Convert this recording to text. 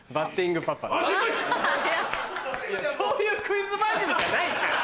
いやそういうクイズ番組じゃないから！